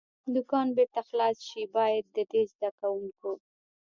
دوکان بېرته خلاص شي، باید د دې زده کوونکو.